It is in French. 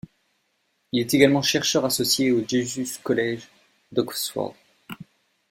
Il est également chercheur associé au Jesus College d'Oxford.